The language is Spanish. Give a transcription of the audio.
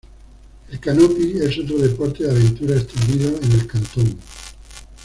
El Canopy es otro deporte de aventura extendido en el cantón.